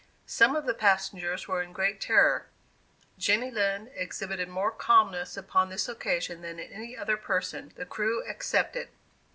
Some of the passengers were in great terror. Jenny Lind exhibited more calmness upon this occasion than any other person, the crew excepted.